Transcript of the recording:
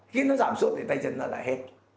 khiến nó giảm sụp thì tay chân nó lại hết